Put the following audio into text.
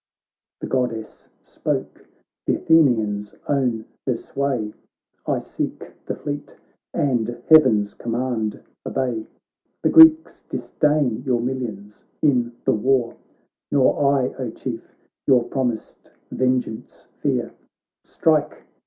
The Goddess spoke ; th' Athenians own her sway ; I seek the fleet, and heaven's command obey. The Greeks disdain your millions in the war, Nor I, O Chief, your promised vengeance fear. Strike